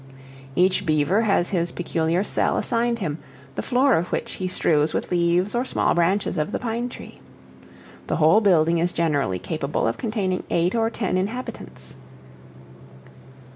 Each beaver has his peculiar cell assigned him, the floor of which he strews with leaves or small branches of the pine tree. The whole building is generally capable of containing eight or ten inhabitants.